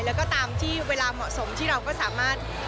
แล้วก็ตามที่เวลาเหมาะสมที่เราก็สามารถ